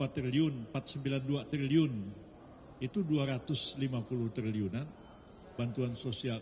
lima triliun empat ratus sembilan puluh dua triliun itu dua ratus lima puluh triliunan bantuan sosial